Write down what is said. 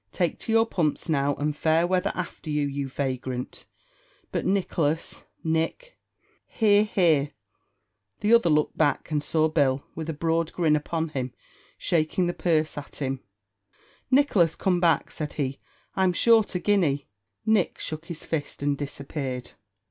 Take to your pumps now, and fair weather after you, you vagrant; but Nicholas Nick here, here " The other looked back, and saw Bill, with a broad grin upon him, shaking the purse at him "Nicholas come back," said he. "I'm short a guinea." Nick shook his fist, and disappeared.